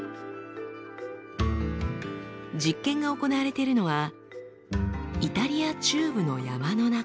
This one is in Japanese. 実験が行われているのはイタリア中部の山の中。